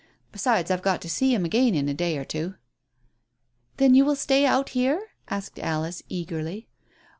Besides, I've got to see him again in a day or two." "Then you will stay out here?" asked Alice eagerly.